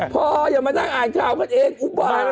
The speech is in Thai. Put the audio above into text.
พออย่ามานั่งอ่านข่าวกันเองอุบาย